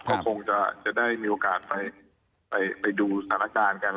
ก็คงจะได้มีโอกาสไปดูสถานการณ์กัน